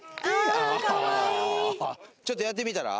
ちょっとやってみたら？